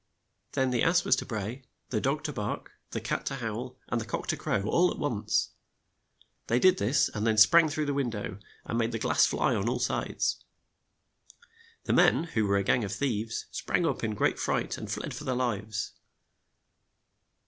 Then the ass was to bray, the dog to bark, the cat to howl, and the cock to crow, all at once. They did this, and then sprang through the win dow, and made the glass fly on all sides. The men, who were a gang of thieves, sprang up in great fright, and fled for their lives.